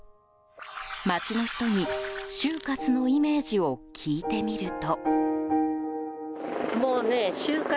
街の人に、終活のイメージを聞いてみると。